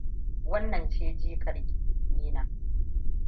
Wannan ce jikar ki, Nina.